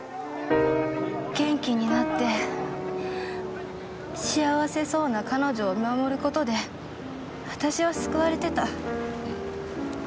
元気になって幸せそうな彼女を見守る事で私は救われてた。